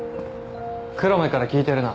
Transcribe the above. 黒目から聞いてるな？